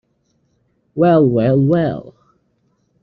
Well, well, well!